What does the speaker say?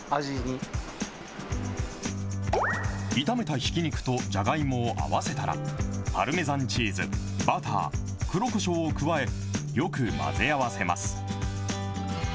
炒めたひき肉とじゃがいもを合わせたら、パルメザンチーズ、バター、黒こしょうを加え、よく混ぜ合わせます。